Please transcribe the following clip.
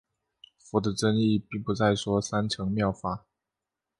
佛的真意并不再说三乘妙法。